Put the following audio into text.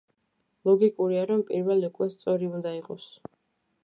ლოგიკურია, რომ პირველი უკვე სწორი უნდა იყოს.